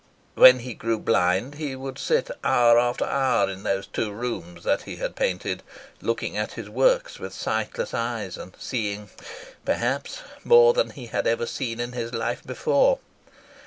"When he grew blind he would sit hour after hour in those two rooms that he had painted, looking at his works with sightless eyes, and seeing, perhaps, more than he had ever seen in his life before.